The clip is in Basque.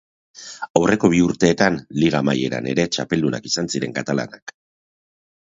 Aurreko bi urteetan, liga amaieran ere txapeldunak izan ziren katalanak.